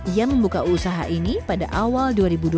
ia membuka usaha ini pada awal dua ribu dua puluh